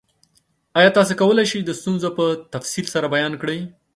ایا تاسو کولی شئ ستونزه په تفصیل سره بیان کړئ؟